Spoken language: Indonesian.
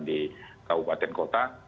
di kabupaten kota